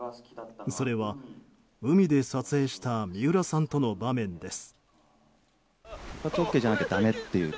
それは海で撮影した三浦さんとの場面です。